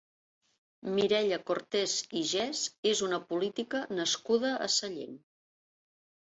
Mirella Cortès i Gès és una política nascuda a Sallent.